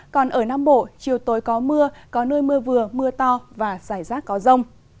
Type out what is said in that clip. còn ở nam bộ chiều tối có mưa có nơi mưa vừa mưa to và giải rác có rông